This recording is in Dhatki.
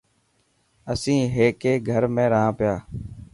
اسين هڪي گھر ۾ رهنا پيا.